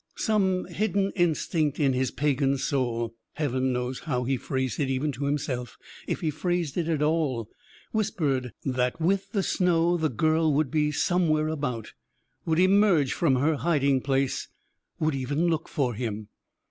Some hidden instinct in his pagan soul heaven knows how he phrased it even to himself, if he phrased it at all whispered that with the snow the girl would be somewhere about, would emerge from her hiding place, would even look for him.